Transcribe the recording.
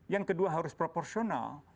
yang kedua harus proporsional